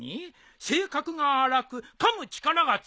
性格が荒くかむ力が強い。